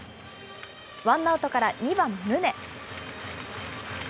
ワンアウトから２番宗。